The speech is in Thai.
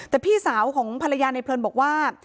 แต่พี่สาวของภรรยาในเพลินบอกว่า